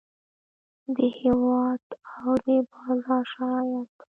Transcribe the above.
د هیواد او د بازار شرایط.